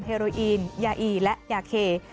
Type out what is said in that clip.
เรอีนยาอีและยาเค